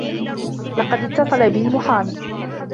لقد اتّصل بي المحامي.